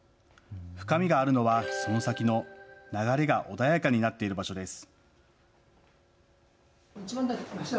深みがあるのはその先の流れが穏やかになっている場所です。